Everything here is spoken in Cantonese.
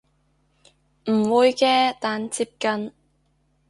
唔會嘅但接近